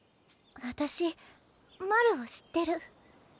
私マルを知ってる。